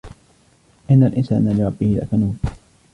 إن الإنسان لربه لكنود